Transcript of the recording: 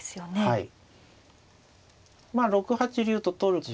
はい。